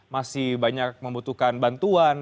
masih banyak membutuhkan bantuan